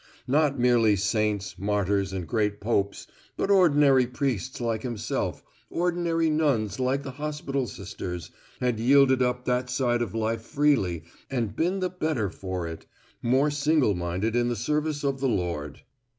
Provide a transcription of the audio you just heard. Not merely saints, martyrs and great popes, but ordinary priests like himself, ordinary nuns like the hospital sisters, had yielded up that side of life freely and been the better for it, more single minded in the service of the Lord.